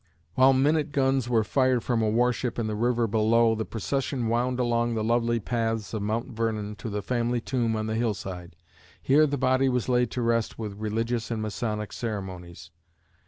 While minute guns were fired from a warship in the river below, the procession wound along the lovely paths of Mount Vernon to the family tomb on the hillside. Here the body was laid to rest with religious and Masonic ceremonies.